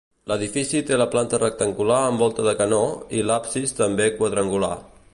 L’edifici té la planta rectangular amb volta de canó i l'absis també quadrangular.